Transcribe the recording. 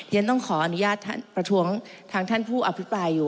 ต้องขออนุญาตประท้วงทางท่านผู้อภิปรายอยู่